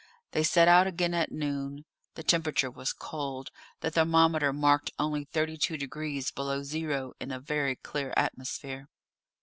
They set out again at noon; the temperature was cold, the thermometer marked only 32 degrees below zero in a very clear atmosphere.